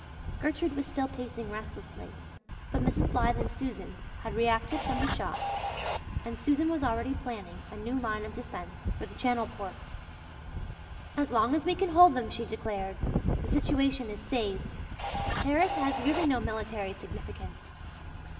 Gertrude was still pacing restlessly but Mrs. Blythe and Susan had reacted from the shock, and Susan was already planning a new line of defence for the channel ports. "As long as we can hold them," she declared, "the situation is saved. Paris has really no military significance."